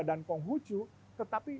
dan konghucu tetapi